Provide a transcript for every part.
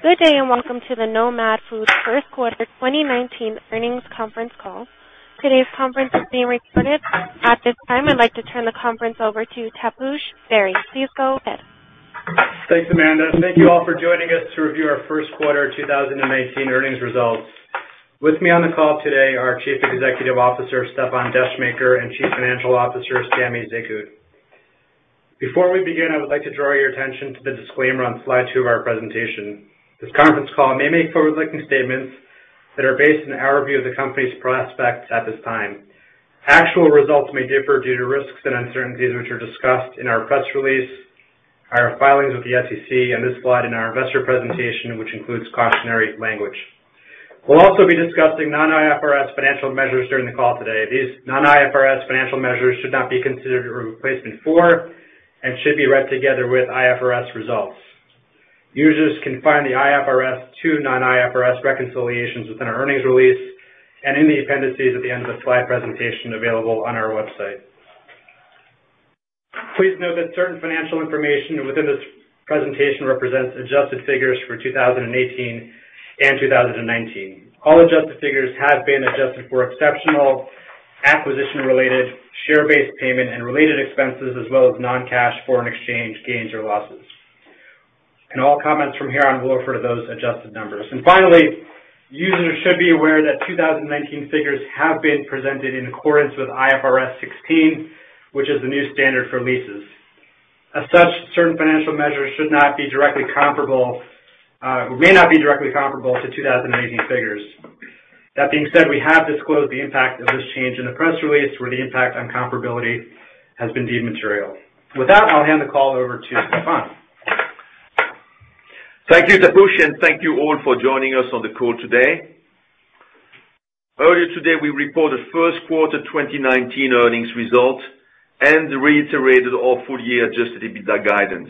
Good day. Welcome to the Nomad Foods first quarter 2019 earnings conference call. Today's conference is being recorded. At this time, I'd like to turn the conference over to Taposh Bari. Please go ahead. Thanks, Amanda. Thank you all for joining us to review our first quarter 2019 earnings results. With me on the call today are Chief Executive Officer, Stéfan Descheemaeker, and Chief Financial Officer, Samy Zekhout. Before we begin, I would like to draw your attention to the disclaimer on slide two of our presentation. This conference call may make forward-looking statements that are based on our view of the company's prospects at this time. Actual results may differ due to risks and uncertainties, which are discussed in our press release, our filings with the SEC and this slide in our investor presentation, which includes cautionary language. We'll also be discussing non-IFRS financial measures during the call today. These non-IFRS financial measures should not be considered a replacement for and should be read together with IFRS results. Users can find the IFRS to non-IFRS reconciliations within our earnings release and in the appendices at the end of the slide presentation available on our website. Please note that certain financial information within this presentation represents adjusted figures for 2018 and 2019. All adjusted figures have been adjusted for exceptional acquisition related share-based payment and related expenses as well as non-cash foreign exchange gains or losses. All comments from here on will refer to those adjusted numbers. Finally, users should be aware that 2019 figures have been presented in accordance with IFRS 16, which is the new standard for leases. As such, certain financial measures should not be directly comparable, or may not be directly comparable to 2018 figures. That being said, we have disclosed the impact of this change in the press release where the impact on comparability has been deemed material. With that, I'll hand the call over to Stéfan. Thank you, Taposh, and thank you all for joining us on the call today. Earlier today, we reported first quarter 2019 earnings results and reiterated our full year adjusted EBITDA guidance.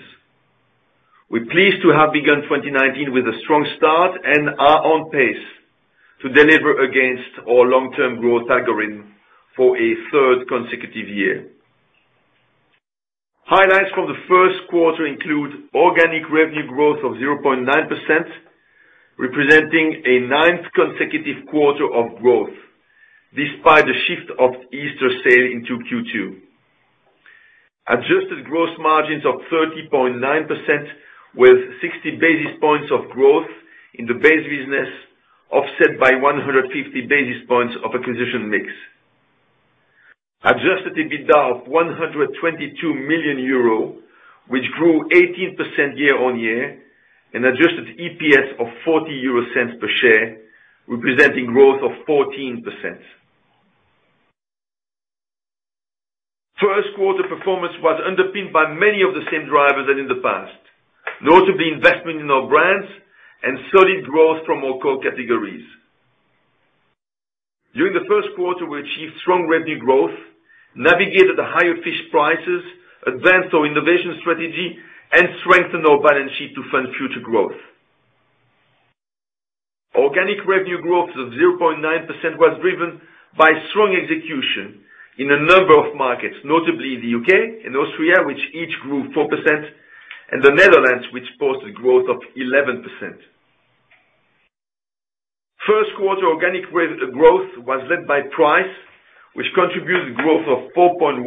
We are pleased to have begun 2019 with a strong start and are on pace to deliver against our long term growth algorithm for a third consecutive year. Highlights from the first quarter include organic revenue growth of 0.9%, representing a ninth consecutive quarter of growth, despite the shift of Easter sale into Q2. Adjusted gross margins of 30.9% with 60 basis points of growth in the base business, offset by 150 basis points of acquisition mix. Adjusted EBITDA of 122 million euro, which grew 18% year-on-year, and adjusted EPS of 0.40 per share, representing growth of 14%. First quarter performance was underpinned by many of the same drivers as in the past, notably investment in our brands and solid growth from our core categories. During the first quarter, we achieved strong revenue growth, navigated the higher fish prices, advanced our innovation strategy, and strengthened our balance sheet to fund future growth. Organic revenue growth of 0.9% was driven by strong execution in a number of markets, notably the U.K. and Austria, which each grew 4%, and the Netherlands, which posted growth of 11%. First quarter organic growth was led by price, which contributed growth of 4.1%.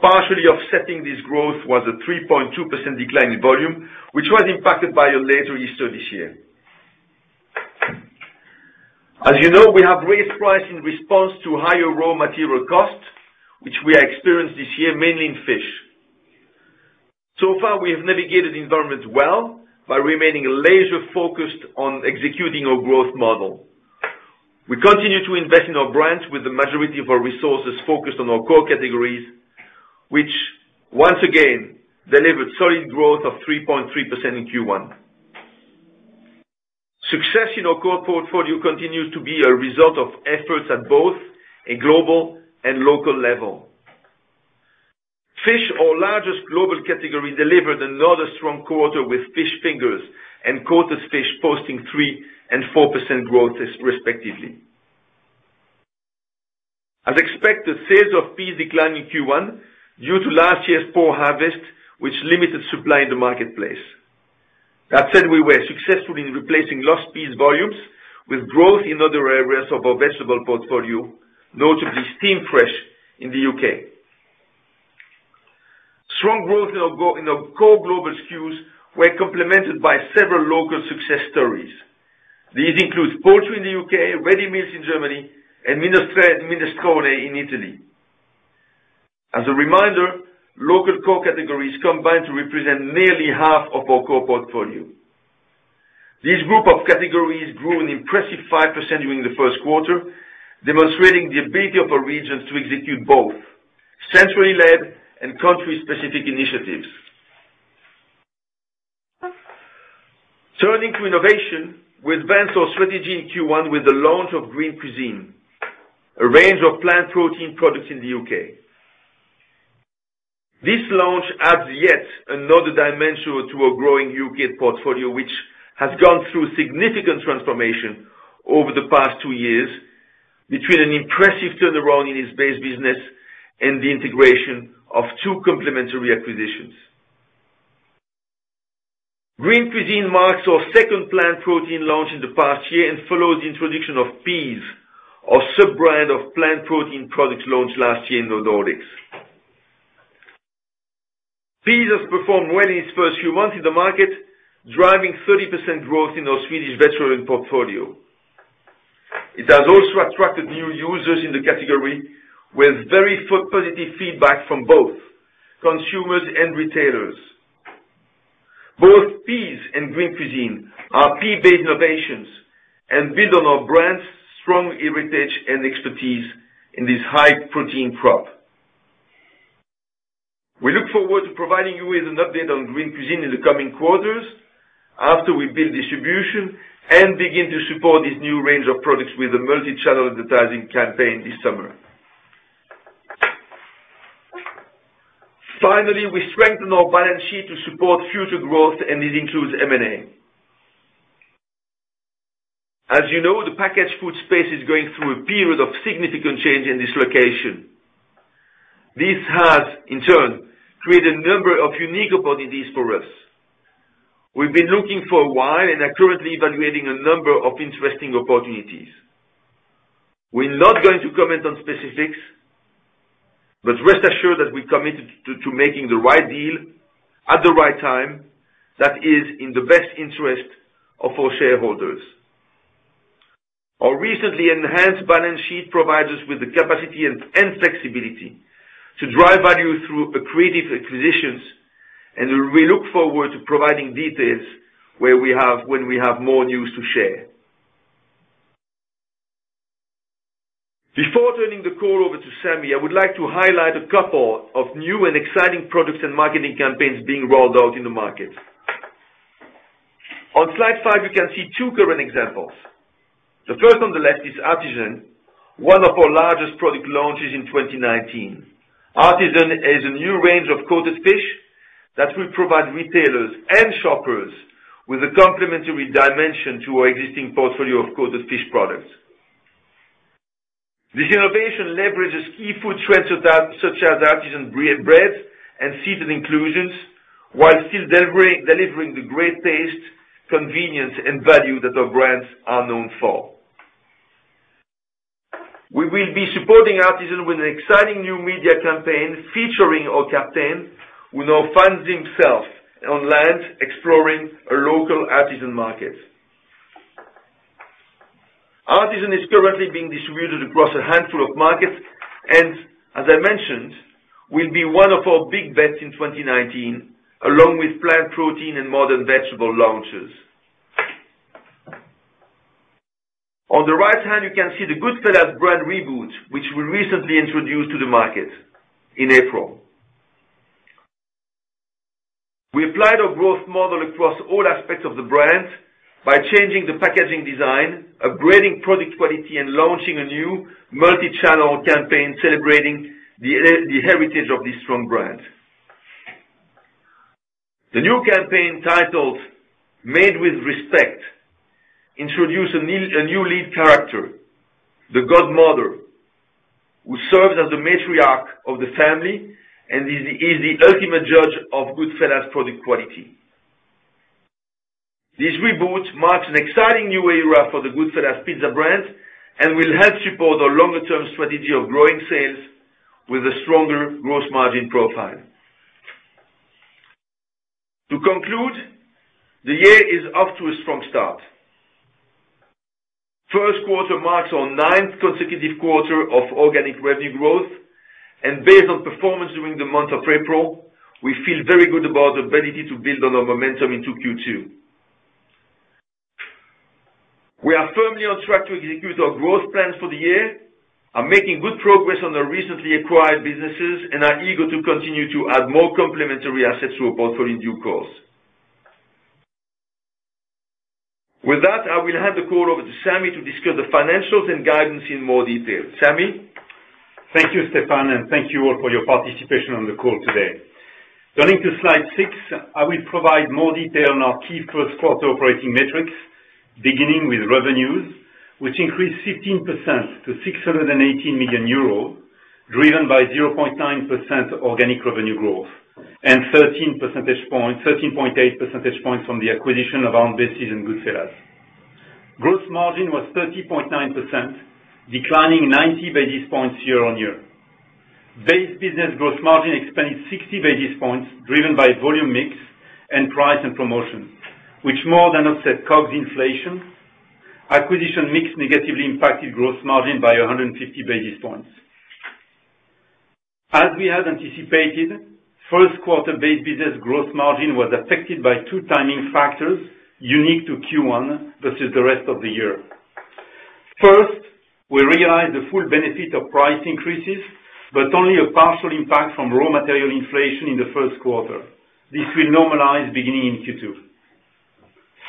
Partially offsetting this growth was a 3.2% decline in volume, which was impacted by a later Easter this year. As you know, we have raised price in response to higher raw material costs, which we are experienced this year, mainly in fish. Far, we have navigated the environment well by remaining laser focused on executing our growth model. We continue to invest in our brands with the majority of our resources focused on our core categories, which once again delivered solid growth of 3.3% in Q1. Success in our core portfolio continues to be a result of efforts at both a global and local level. Fish, our largest global category, delivered another strong quarter with fish fingers and coated fish posting 3% and 4% growth respectively. As expected, sales of Pease declined in Q1 due to last year's poor harvest, which limited supply in the marketplace. That said, we were successful in replacing lost Pease volumes with growth in other areas of our vegetable portfolio, notably Steamfresh in the U.K. Strong growth in our core global SKUs were complemented by several local success stories. These include poultry in the U.K., ready meals in Germany, and minestrone in Italy. As a reminder, local core categories combine to represent nearly half of our core portfolio. This group of categories grew an impressive 5% during the first quarter, demonstrating the ability of our regions to execute both centrally led and country specific initiatives. Turning to innovation, we advanced our strategy in Q1 with the launch of Green Cuisine, a range of plant protein products in the U.K. This launch adds yet another dimension to our growing U.K. portfolio, which has gone through significant transformation over the past two years, between an impressive turnaround in its base business and the integration of two complementary acquisitions. Green Cuisine marks our second plant protein launch in the past year and follows the introduction of Pease, our sub-brand of plant protein products launched last year in the Nordics. Pease has performed well in its first few months in the market, driving 30% growth in our Swedish vegetarian portfolio. It has also attracted new users in the category with very positive feedback from both consumers and retailers. Both Pease and Green Cuisine are pea-based innovations and build on our brand's strong heritage and expertise in this high protein crop. We look forward to providing you with an update on Green Cuisine in the coming quarters after we build distribution and begin to support this new range of products with a multi-channel advertising campaign this summer. Finally, we strengthen our balance sheet to support future growth, and this includes M&A. As you know, the packaged food space is going through a period of significant change and dislocation. This has, in turn, created a number of unique opportunities for us. We've been looking for a while and are currently evaluating a number of interesting opportunities. We're not going to comment on specifics, but rest assured that we're committed to making the right deal at the right time, that is, in the best interest of our shareholders. Our recently enhanced balance sheet provides us with the capacity and flexibility to drive value through accretive acquisitions, and we look forward to providing details when we have more news to share. Before turning the call over to Samy, I would like to highlight a couple of new and exciting products and marketing campaigns being rolled out in the market. On slide five, you can see two current examples. The first on the left is Artisan, one of our largest product launches in 2019. Artisan is a new range of coated fish that will provide retailers and shoppers with a complementary dimension to our existing portfolio of coated fish products. This innovation leverages key food trends such as artisan bread and seasoned inclusions, while still delivering the great taste, convenience, and value that our brands are known for. We will be supporting Artisan with an exciting new media campaign featuring our captain, who now finds himself on land exploring a local artisan market. Artisan is currently being distributed across a handful of markets and, as I mentioned, will be one of our big bets in 2019, along with plant protein and modern vegetable launches. On the right hand, you can see the Goodfella's brand reboot, which we recently introduced to the market in April. We applied our growth model across all aspects of the brand by changing the packaging design, upgrading product quality, and launching a new multi-channel campaign celebrating the heritage of this strong brand. The new campaign titled Made with Respect, introduced a new lead character, the Godmother, who serves as the matriarch of the family and is the ultimate judge of Goodfella's product quality. This reboot marks an exciting new era for the Goodfella's Pizza brand and will help support our longer-term strategy of growing sales with a stronger gross margin profile. To conclude, the year is off to a strong start. First quarter marks our ninth consecutive quarter of organic revenue growth, and based on performance during the month of April, we feel very good about our ability to build on our momentum into Q2. We are firmly on track to execute our growth plans for the year, are making good progress on our recently acquired businesses, and are eager to continue to add more complementary assets to our portfolio in due course. With that, I will hand the call over to Samy to discuss the financials and guidance in more detail. Samy? Thank you, Stefan, and thank you all for your participation on the call today. Turning to slide six, I will provide more detail on our key first quarter operating metrics, beginning with revenues, which increased 15% to 618 million euros, driven by 0.9% organic revenue growth and 13.8 percentage points from the acquisition of Aunt Bessie's and Goodfella's. Gross margin was 30.9%, declining 90 basis points year-over-year. Base business gross margin expanded 60 basis points, driven by volume mix and price and promotion, which more than offset COGS inflation. Acquisition mix negatively impacted gross margin by 150 basis points. As we had anticipated, first quarter base business gross margin was affected by two timing factors unique to Q1 versus the rest of the year. First, we realized the full benefit of price increases, but only a partial impact from raw material inflation in the first quarter. This will normalize beginning in Q2.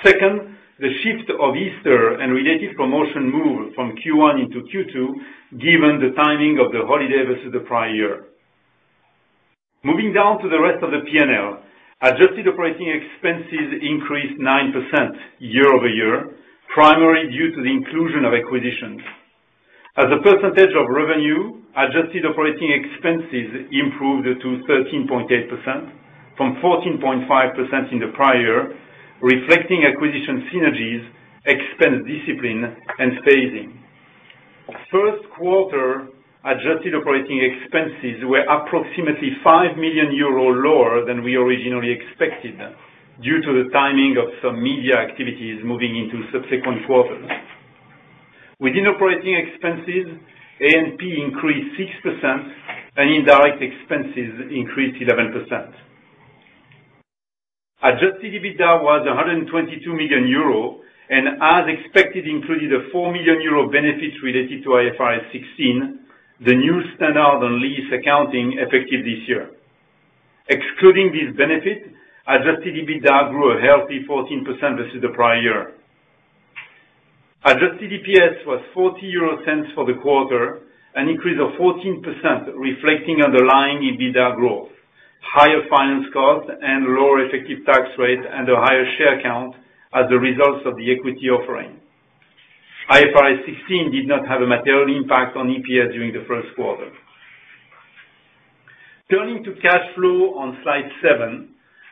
Second, the shift of Easter and related promotion moved from Q1 into Q2, given the timing of the holiday versus the prior year. Moving down to the rest of the P&L, adjusted operating expenses increased 9% year-over-year, primarily due to the inclusion of acquisitions. As a percentage of revenue, adjusted operating expenses improved to 13.8%, from 14.5% in the prior, reflecting acquisition synergies, expense discipline, and phasing. First quarter adjusted operating expenses were approximately 5 million euros lower than we originally expected, due to the timing of some media activities moving into subsequent quarters. Within operating expenses, A&P increased 6%, and indirect expenses increased 11%. Adjusted EBITDA was 122 million euro, and as expected, included a 4 million euro benefit related to IFRS 16, the new standard on lease accounting effective this year. Excluding this benefit, adjusted EBITDA grew a healthy 14% versus the prior year. Adjusted EPS was 0.40 for the quarter, an increase of 14%, reflecting underlying EBITDA growth, higher finance costs, and lower effective tax rate, and a higher share count as a result of the equity offering. IFRS 16 did not have a material impact on EPS during the first quarter. Turning to cash flow on slide seven,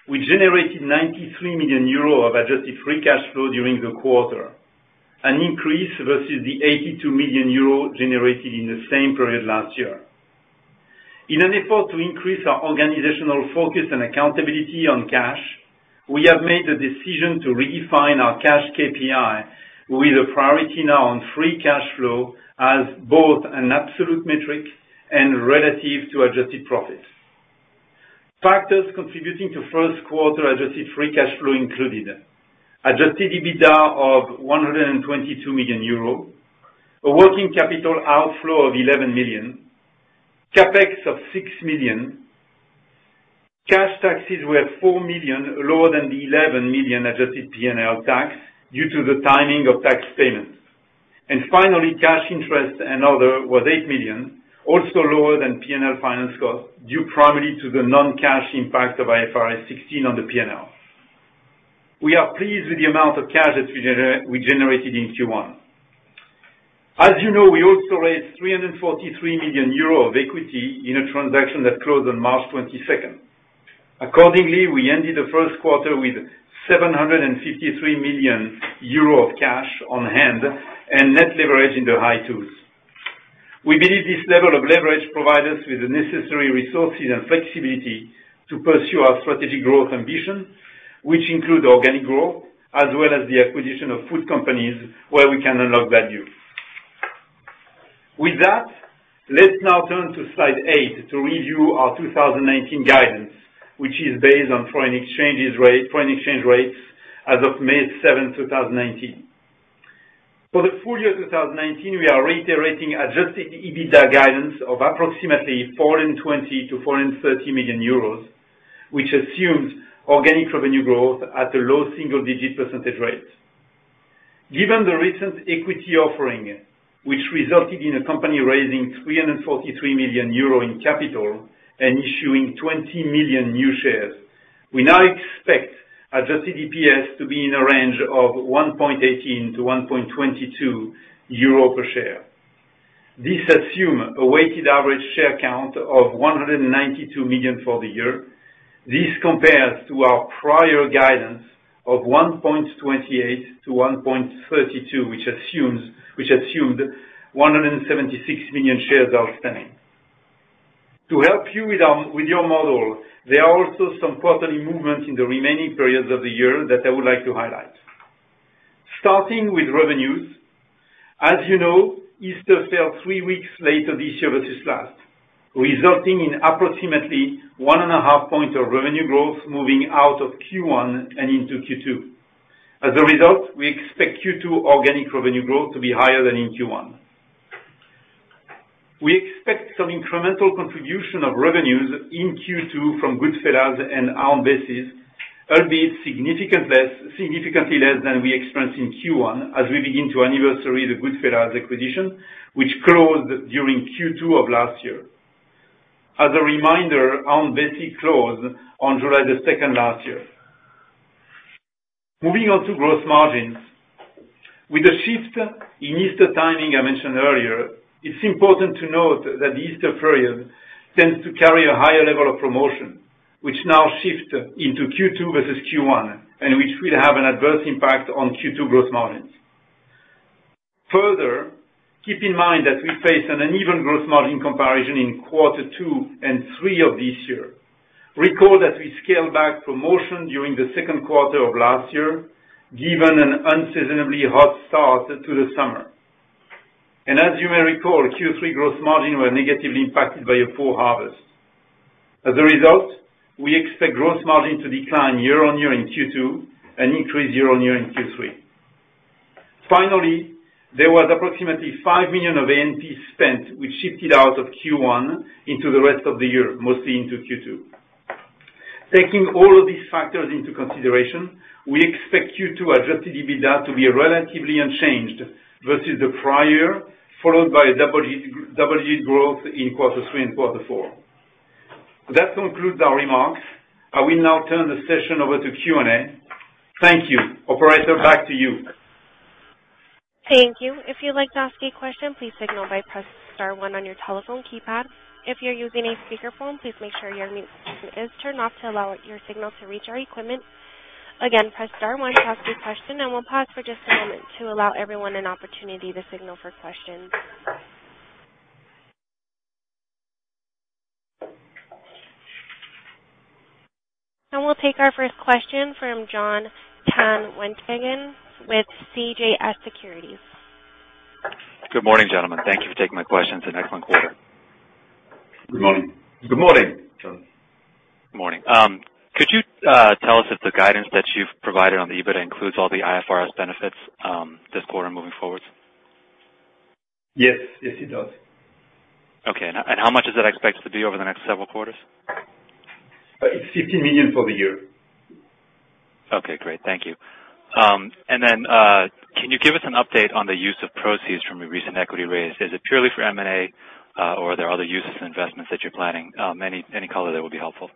we generated 93 million euro of adjusted free cash flow during the quarter, an increase versus the 82 million euro generated in the same period last year. In an effort to increase our organizational focus and accountability on cash, we have made the decision to redefine our cash KPI with a priority now on free cash flow as both an absolute metric and relative to adjusted profit. Factors contributing to first quarter adjusted free cash flow included adjusted EBITDA of 122 million euro, a working capital outflow of 11 million, CapEx of 6 million. Cash taxes were 4 million, lower than the 11 million adjusted P&L tax due to the timing of tax payments. Finally, cash interest and other was 8 million, also lower than P&L finance cost, due primarily to the non-cash impact of IFRS 16 on the P&L. We are pleased with the amount of cash that we generated in Q1. As you know, we also raised 343 million euro of equity in a transaction that closed on March 22nd. Accordingly, we ended the first quarter with 753 million euro of cash on hand and net leverage in the high twos. We believe this level of leverage provides us with the necessary resources and flexibility to pursue our strategic growth ambition, which include organic growth as well as the acquisition of food companies where we can unlock value. With that, let's now turn to slide eight to review our 2019 guidance, which is based on foreign exchange rates as of May 7th, 2019. For the full year 2019, we are reiterating adjusted EBITDA guidance of approximately 420 million-430 million euros, which assumes organic revenue growth at a low single-digit % rate. Given the recent equity offering, which resulted in the company raising 343 million euro in capital and issuing 20 million new shares, we now expect adjusted EPS to be in a range of 1.18-1.22 euro per share. This assumes a weighted average share count of 192 million for the year. This compares to our prior guidance of 1.28-1.32, which assumed 176 million shares outstanding. To help you with your model, there are also some quarterly movements in the remaining periods of the year that I would like to highlight. Starting with revenues, as you know, Easter fell three weeks later this year versus last, resulting in approximately one and a half point of revenue growth moving out of Q1 and into Q2. As a result, we expect Q2 organic revenue growth to be higher than in Q1. We expect some incremental contribution of revenues in Q2 from Goodfella's and Aunt Bessie's, albeit significantly less than we experienced in Q1 as we begin to anniversary the Goodfella's acquisition, which closed during Q2 of last year. As a reminder, Aunt Bessie's closed on July the 2nd last year. Moving on to gross margins. With the shift in Easter timing I mentioned earlier, it's important to note that the Easter period tends to carry a higher level of promotion, which now shift into Q2 versus Q1, which will have an adverse impact on Q2 gross margins. Further, keep in mind that we face an uneven gross margin comparison in quarter two and three of this year. Recall that we scaled back promotion during the second quarter of last year given an unseasonably hot start to the summer. As you may recall, Q3 gross margin were negatively impacted by a poor harvest. As a result, we expect gross margin to decline year-on-year in Q2 and increase year-on-year in Q3. Finally, there was approximately 5 million of A&P spent, which shifted out of Q1 into the rest of the year, mostly into Q2. Taking all of these factors into consideration, we expect you to adjust the EBITDA to be relatively unchanged versus the prior, followed by double-digit growth in quarter three and quarter four. That concludes our remarks. I will now turn the session over to Q&A. Thank you. Operator, back to you. Thank you. If you'd like to ask a question, please signal by press star one on your telephone keypad. If you're using a speakerphone, please make sure your mute button is turned off to allow your signal to reach our equipment. Again, press star one to ask a question, we'll pause for just a moment to allow everyone an opportunity to signal for questions. We'll take our first question from Jon Tanwanteng with CJS Securities. Good morning, gentlemen. Thank you for taking my questions. An excellent quarter. Good morning. Good morning, Jon. Good morning. Could you tell us if the guidance that you've provided on the EBITDA includes all the IFRS benefits this quarter moving forward? Yes. Yes, it does. Okay. How much is that expected to be over the next several quarters? It's 15 million for the year. Okay, great. Thank you. Then can you give us an update on the use of proceeds from your recent equity raise? Is it purely for M&A, or are there other uses of investments that you're planning? Any color there will be helpful.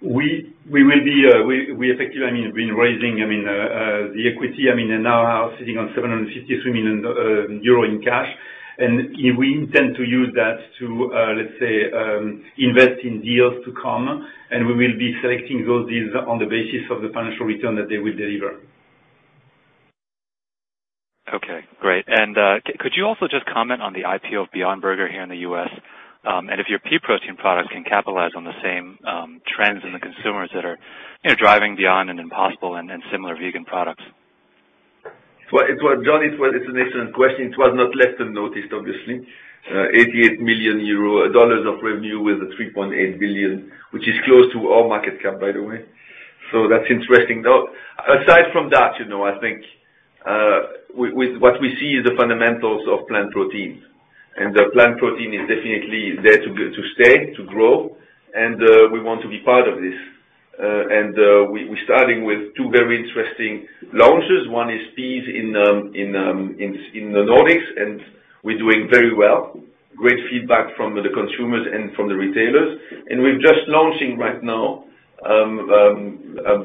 We have been raising the equity, now are sitting on 753 million euro in cash. We intend to use that to, let's say, invest in deals to come, we will be selecting those deals on the basis of the financial return that they will deliver. Okay, great. Could you also just comment on the IPO of Beyond Meat here in the U.S., if your pea protein products can capitalize on the same trends in the consumers that are driving Beyond and Impossible, similar vegan products? Jon, it's an excellent question. It was not less than noticed, obviously. EUR 88 million of revenue with a 3.8 billion, which is close to our market cap, by the way. That's interesting. Aside from that, I think what we see is the fundamentals of plant protein. The plant protein is definitely there to stay, to grow, and we want to be part of this. We're starting with two very interesting launches. One is Pease in the Nordics. We're doing very well. Great feedback from the consumers and from the retailers. We're just launching right now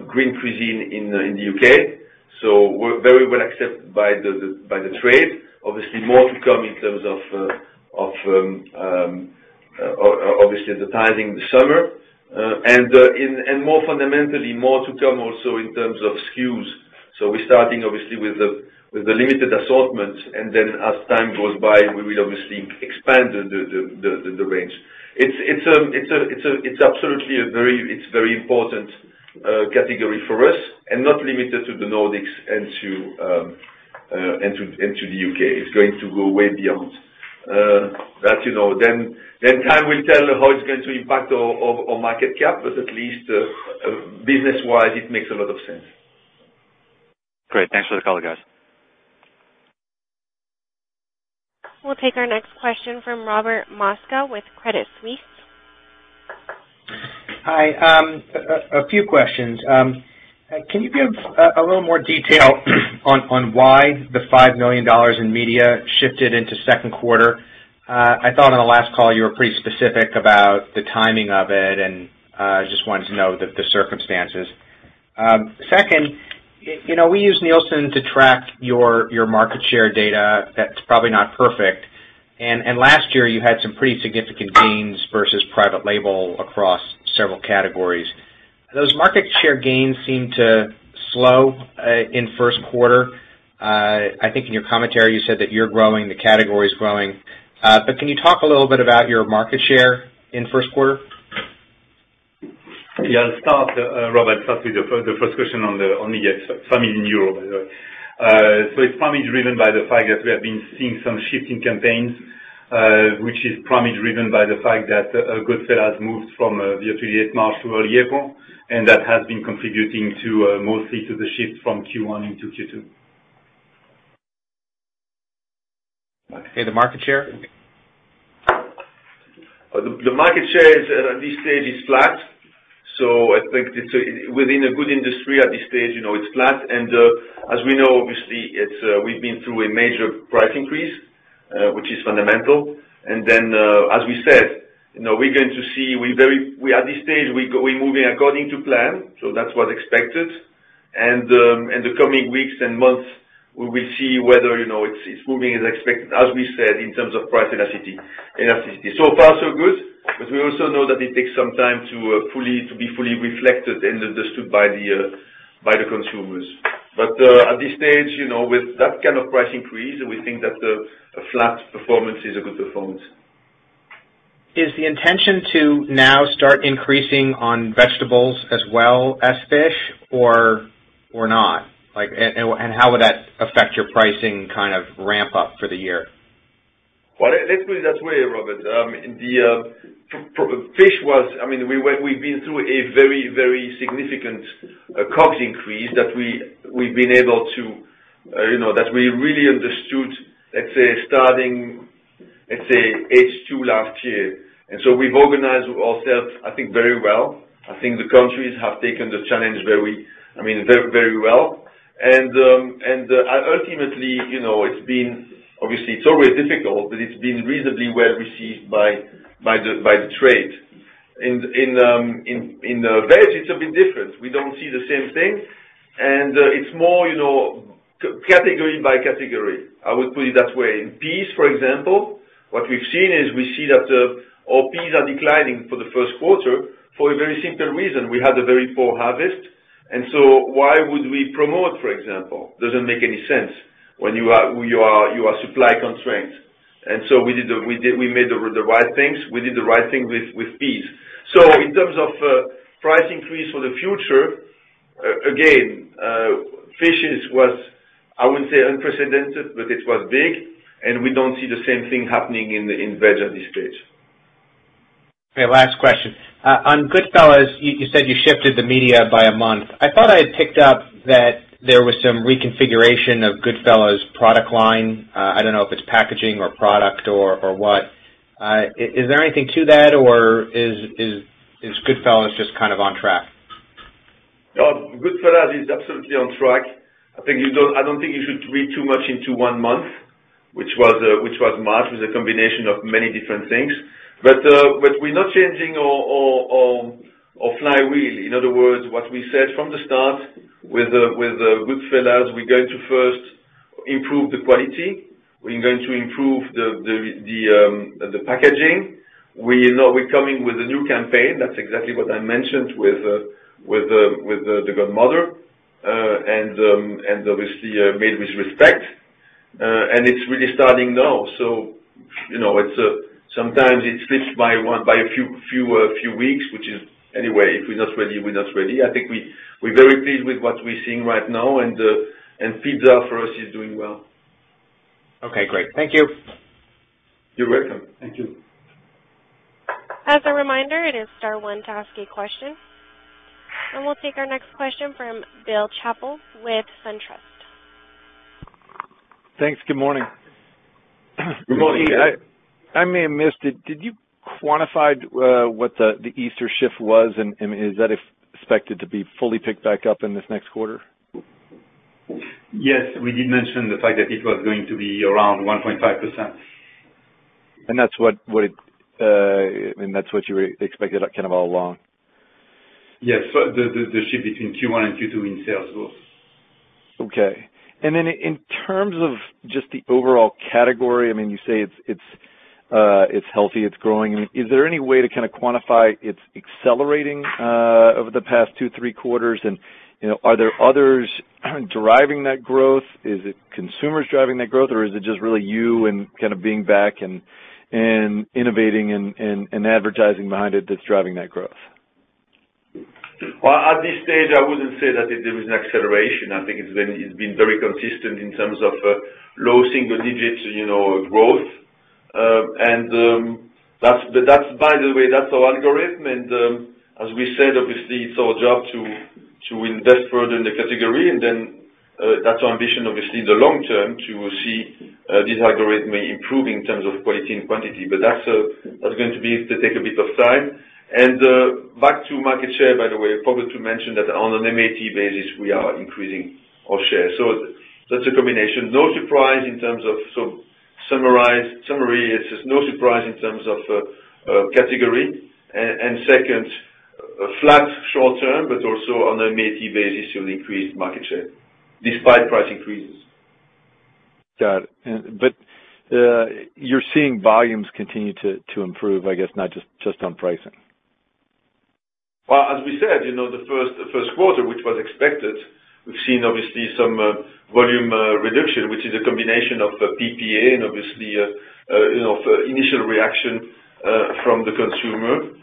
Green Cuisine in the U.K. We're very well accepted by the trade. Obviously, more to come in terms of advertising this summer. More fundamentally, more to come also in terms of SKUs. We're starting obviously with the limited assortment. As time goes by, we will obviously expand the range. It's absolutely a very important category for us, not limited to the Nordics and to the U.K. It's going to go way beyond that. Time will tell how it's going to impact our market cap, but at least business-wise, it makes a lot of sense. Great. Thanks for the color, guys. We'll take our next question from Robert Moskow with Credit Suisse. Hi. A few questions. Can you give a little more detail on why the EUR 5 million in media shifted into second quarter? I thought on the last call you were pretty specific about the timing of it, and I just wanted to know the circumstances. We use Nielsen to track your market share data. That's probably not perfect. Last year, you had some pretty significant gains versus private label across several categories. Those market share gains seemed to slow in first quarter. I think in your commentary you said that you're growing, the category's growing. Can you talk a little bit about your market share in first quarter? Yeah. I'll start, Robert. Start with the first question on the media. It's mainly in Europe. It's probably driven by the fact that we have been seeing some shifting campaigns, which is primarily driven by the fact that Goodfella has moved from the 28th March to early April, and that has been contributing mostly to the shift from Q1 into Q2. Okay. The market share? The market share at this stage is flat. I think within a good industry at this stage, it's flat. As we know, obviously, we've been through a major price increase, which is fundamental. As we said, at this stage, we're moving according to plan. That's what's expected. In the coming weeks and months, we will see whether it's moving as expected, as we said, in terms of price elasticity. So far so good, we also know that it takes some time to be fully reflected and understood by the consumers. At this stage, with that kind of price increase, we think that a flat performance is a good performance. Is the intention to now start increasing on vegetables as well as fish or not? How would that affect your pricing ramp-up for the year? Well, let's put it that way, Robert. We've been through a very significant COGS increase that we really understood, let's say, starting Let's say H2 last year. So we've organized ourselves, I think, very well. I think the countries have taken the challenge very well. Ultimately, obviously it's always difficult, but it's been reasonably well-received by the trade. In veg, it's a bit different. We don't see the same thing, and it's more category by category. I would put it that way. In peas, for example, what we've seen is we see that our peas are declining for the first quarter for a very simple reason. We had a very poor harvest, so why would we promote, for example? Doesn't make any sense when you are supply constrained. So we did the right things with peas. In terms of price increase for the future, again, fish was, I wouldn't say unprecedented, but it was big, and we don't see the same thing happening in veg at this stage. Okay, last question. On Goodfella's, you said you shifted the media by a month. I thought I had picked up that there was some reconfiguration of Goodfella's' product line. I don't know if it's packaging or product or what. Is there anything to that, or is Goodfella's just on track? Goodfella's is absolutely on track. I don't think you should read too much into one month, which was March. It was a combination of many different things. We're not changing our flywheel. In other words, what we said from the start with Goodfella's, we're going to first improve the quality. We're going to improve the packaging. We're coming with a new campaign. That's exactly what I mentioned with the Godmother, and obviously Made with Respect. It's really starting now. Sometimes it shifts by a few weeks, which is anyway, if we're not ready, we're not ready. I think we're very pleased with what we're seeing right now, and pizza for us is doing well. Okay, great. Thank you. You're welcome. Thank you. As a reminder, it is star one to ask a question. We'll take our next question from Bill Chappell with SunTrust. Thanks. Good morning. Good morning, Bill. I may have missed it. Did you quantify what the Easter shift was, is that expected to be fully picked back up in this next quarter? Yes, we did mention the fact that it was going to be around 1.5%. That's what you expected kind of all along? Yes. The shift between Q1 and Q2 in sales growth. Okay. In terms of just the overall category, you say it's healthy, it's growing. Is there any way to kind of quantify it's accelerating over the past two, three quarters? Are there others driving that growth? Is it consumers driving that growth, or is it just really you and kind of being back and innovating and advertising behind it that's driving that growth? Well, at this stage, I wouldn't say that there is an acceleration. I think it's been very consistent in terms of low single digits growth. By the way, that's our algorithm, and as we said, obviously, it's our job to invest further in the category, and then that's our ambition, obviously, in the long term, to see this algorithm improve in terms of quality and quantity. That's going to take a bit of time. Back to market share, by the way, I forgot to mention that on an MAT basis, we are increasing our share. That's a combination. Summary is, no surprise in terms of category. Second, flat short term, but also on an MAT basis, you'll increase market share despite price increases. Got it. You're seeing volumes continue to improve, I guess, not just on pricing. Well, as we said, the first quarter, which was expected, we've seen obviously some volume reduction, which is a combination of PPA and obviously initial reaction from the consumer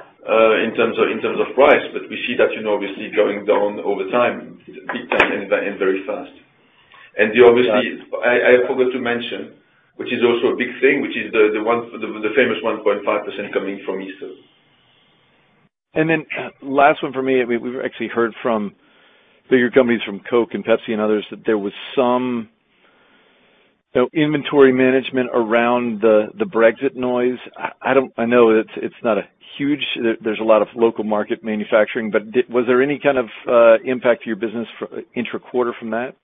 in terms of price. We see that obviously going down over time, big time, and very fast. Obviously, I forgot to mention, which is also a big thing, which is the famous 1.5% coming from Easter. Last one from me. We've actually heard from bigger companies, from Coca-Cola and PepsiCo and others, that there was some inventory management around the Brexit noise. There's a lot of local market manufacturing, but was there any kind of impact to your business intra-quarter from that?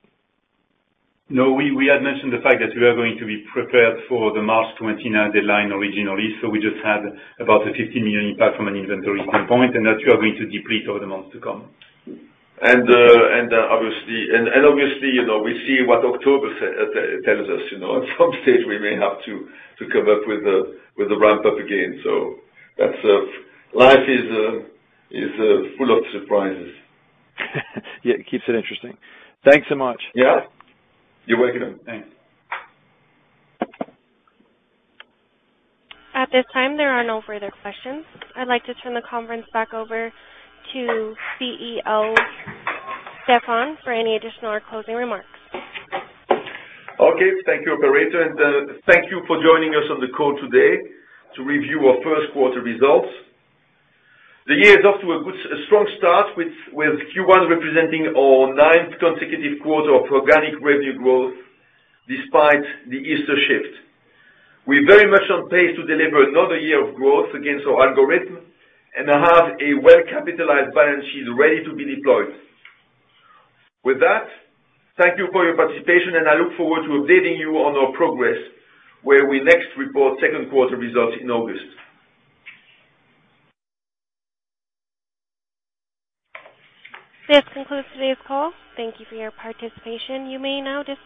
No, we had mentioned the fact that we are going to be prepared for the March 29th deadline originally. We just had about a 15 million impact from an inventory standpoint, and that we are going to deplete over the months to come. Obviously, we see what October tells us. At some stage, we may have to come up with a ramp-up again. Life is full of surprises. Yeah, it keeps it interesting. Thanks so much. Yeah. You're welcome. Thanks. At this time, there are no further questions. I'd like to turn the conference back over to CEO Stéfan for any additional or closing remarks. Okay. Thank you, operator, and thank you for joining us on the call today to review our first quarter results. The year is off to a strong start with Q1 representing our ninth consecutive quarter of organic revenue growth despite the Easter shift. We're very much on pace to deliver another year of growth against our algorithm and have a well-capitalized balance sheet ready to be deployed. With that, thank you for your participation, and I look forward to updating you on our progress when we next report second quarter results in August. This concludes today's call. Thank you for your participation. You may now disconnect.